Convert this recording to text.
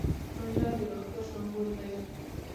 منډه د روغتیا سمبول دی